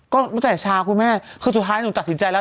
ก็ตั้งแต่เช้าคุณแม่คือสุดท้ายหนูตัดสินใจแล้ว